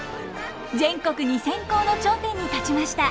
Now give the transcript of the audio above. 全国２，０００校の頂点に立ちました。